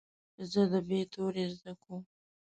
زه د "ب" توری زده کوم.